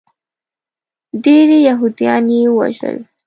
ډیری یهودیان یې ووژل.